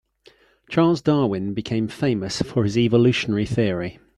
Charles Darwin became famous for his evolutionary theory.